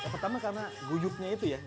pertama karena gujuknya itu ya